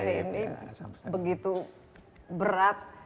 ini begitu berat